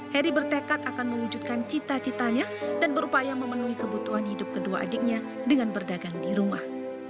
heri bertekad akan mewujudkan cita citanya dan berupaya memenuhi kebutuhan hidup kedua adiknya dengan berdagang di rumah